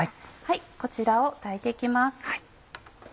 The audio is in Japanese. こちらを炊いて行きます。